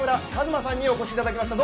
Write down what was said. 馬さんにお越しいただきました。